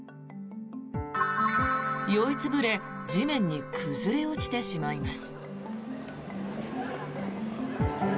酔い潰れ地面に崩れ落ちてしまいます。